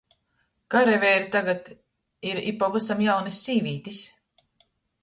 Karaveiri tagad ir i pavysam jaunys sīvītis.